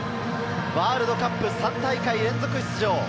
ワールドカップ３大会連続出場。